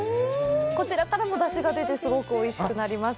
こちらからも出汁が出て、すごくおいしくなります。